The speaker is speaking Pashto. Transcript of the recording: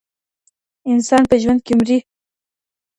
انسان په ژوند کي مري.